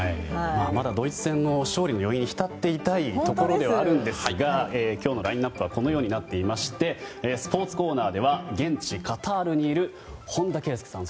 まだドイツ戦の勝利の余韻に浸っていたいところなんですが今日のラインアップはこのようになっていましてスポーツコーナーでは現地カタールにいる本田圭佑さん